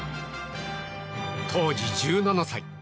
当時、１７歳。